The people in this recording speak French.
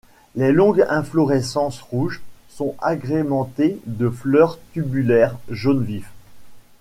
Les longues inflorescences rouges sont agrémentées de fleurs tubulaires jaune vif.